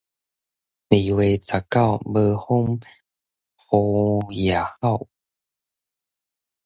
二月十九，無風，雨也吼